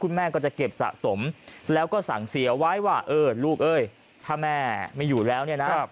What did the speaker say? แม่ก็จะเก็บสะสมแล้วก็สั่งเสียไว้ว่าเออลูกเอ้ยถ้าแม่ไม่อยู่แล้วเนี่ยนะ